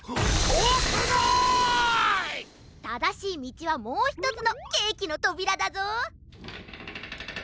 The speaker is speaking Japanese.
ただしいみちはもうひとつのケーキのとびらだぞ。